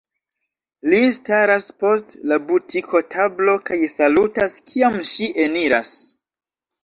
Li staras post la butikotablo kaj salutas, kiam ŝi eniras.